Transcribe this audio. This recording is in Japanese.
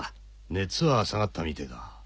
熱は下がったみてぇだ。